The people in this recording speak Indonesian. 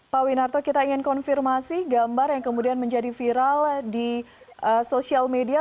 pak winarto kita ingin konfirmasi gambar yang kemudian menjadi viral di sosial media